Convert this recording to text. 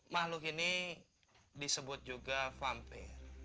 makhluk ini disebut juga fampil